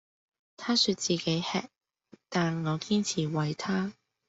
她說自己吃，但我堅持餵她